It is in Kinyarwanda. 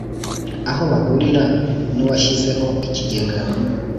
aho bahurira n uwashyizeho ikigega